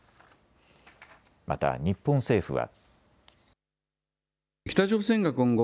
また日本政府は。